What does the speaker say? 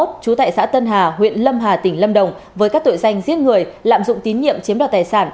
trú tại xã tân hà huyện lâm hà tỉnh lâm đồng với các tội danh giết người lạm dụng tín nhiệm chiếm đoạt tài sản